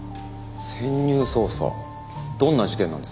潜入捜査どんな事件なんですか？